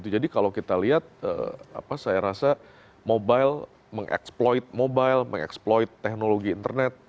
jadi kalau kita lihat saya rasa mobile mengexploit mobile mengexploit teknologi internet